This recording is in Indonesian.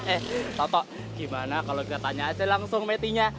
eh toto gimana kalau kita tanya aja langsung matinya